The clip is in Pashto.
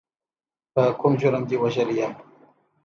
په کوم جرم دې وژلی یم.